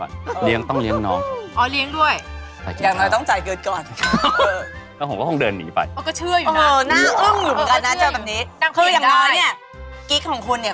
เหลือไว้เพียงแต่ภูมิคุ้ย